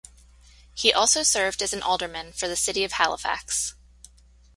He also served as an alderman for the city of Halifax.